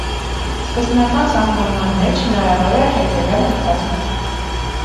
Սկզբնական սահմանման մեջ հնարավոր էր հետևյալ ընթացքը։